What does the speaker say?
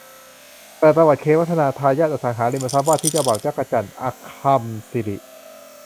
เปิดประวัติ เค วัฒนา ทายาทอสังหาริมทรัพย์ ว่าที่เจ้าบ่าว จั๊กจั่น อคัมย์สิริ